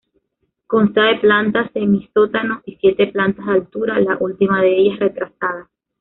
Consta de planta semisótano y siete plantas de altura, la última de ellas retrasada.